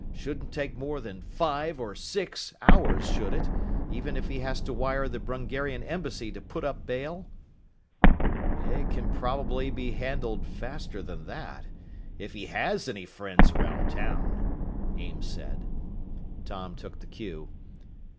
Shouldn't take more than five or six hours, should it, even if he has to wire the Brungarian Embassy to put up bail?" "It can probably be handled faster than that if he has any friends around town," Ames said. Tom took the cue.